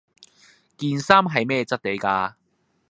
件衫係咩質地架